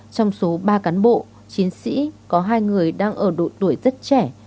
trong số ba cán bộ chiến sĩ có hai người đang ở độ tuổi rất trẻ